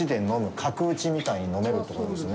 角打ちみたいに飲めるってことですね。